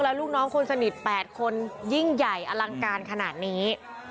แล้วลูกน้องคนสนิท๘คนยิ่งใหญ่อลังการขนาดนี้